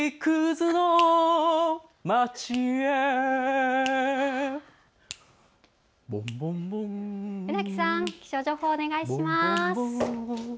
船木さん、気象情報お願いします。